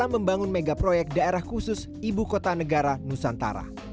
dalam membangun megaproyek daerah khusus ibu kota negara nusantara